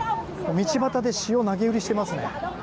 道端で塩を投げ売りしてますね。